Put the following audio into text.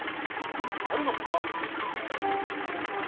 何かあるのかな？